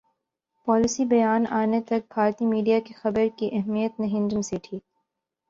policy بیان انے تک بھارتی میڈیا کی خبر کی اہمیت نہیںنجم سیٹھی